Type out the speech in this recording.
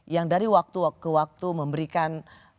yang dari waktu ke waktu memberikan